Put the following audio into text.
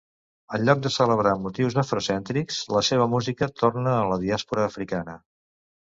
En lloc de celebrar motius afrocèntrics, la seva música torna a la diàspora africana.